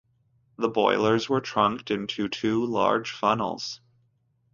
The boilers were trunked into two large funnels.